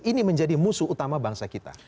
ini menjadi musuh utama bangsa kita